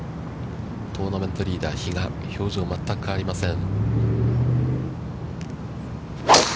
トーナメントリーダーが表情は全く変わりません。